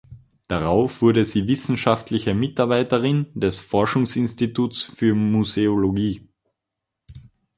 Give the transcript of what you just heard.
Darauf wurde sie wissenschaftliche Mitarbeiterin des Forschungsinstituts für Museologie.